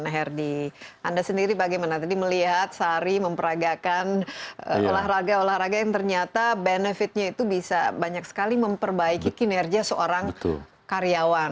herdy anda sendiri bagaimana tadi melihat sari memperagakan olahraga olahraga yang ternyata benefitnya itu bisa banyak sekali memperbaiki kinerja seorang karyawan